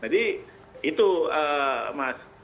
jadi itu mas